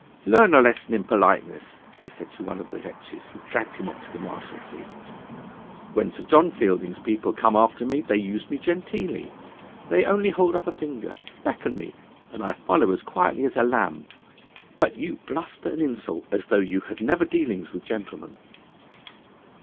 "Learn a lesson in politeness," he said to one of the wretches who dragged him off to the Marshalsea. "When Sir John Fielding's people come after me they use me genteelly; they only hold up a finger, beckon me, and I follow as quietly as a lamb. But you bluster and insult, as though you had never dealings with gentlemen."